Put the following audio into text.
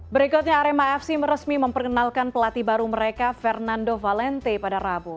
berikutnya arema fc meresmi memperkenalkan pelatih baru mereka fernando valente pada rabu